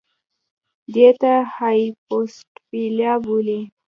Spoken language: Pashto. دې ته هایپوپلاسیا بولي